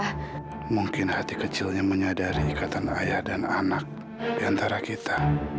hati hati kecilnya menyadari ikatan ayah dan anak di antara kita